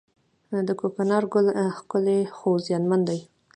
د کوکنارو ګل ښکلی خو زیانمن دی